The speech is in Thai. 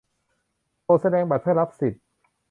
โปรดแสดงบัตรเพื่อรับสิทธิ์